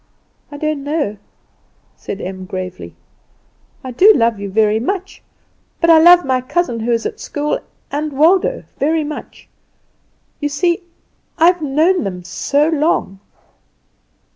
"I don't know," said Em, gravely. "I do love you very much; but I love my cousin who is at school, and Waldo, very much. You see I have known them so long!"